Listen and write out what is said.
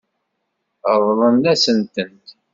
Ṛeḍlen-asent-tent.